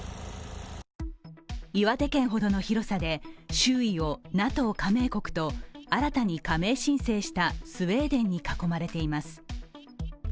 岩手県ほどの広さで、周囲をＮＡＴＯ加盟国と新たに加盟申請したスウェーデンに囲まれています。